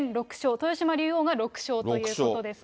豊島竜王が６勝ということですね。